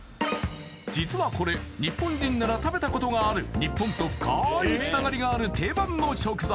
実はこれ日本人なら食べたことがある日本と深いつながりがある定番の食材